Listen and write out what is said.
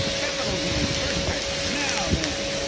Capital game first rate. Now, then!